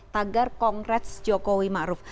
tagar kongrets jokowi maruf